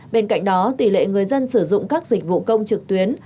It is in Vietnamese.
bên cạnh đó tỷ lệ người dân sử dụng các dịch vụ công trực tuyến